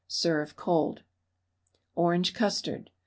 Serve cold. ORANGE CUSTARD.